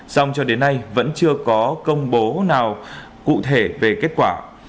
xong cho đến nay vẫn chưa có công bố nào cụ thể về kết quả